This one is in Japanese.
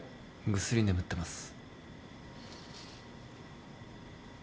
ぐっすり眠ってます。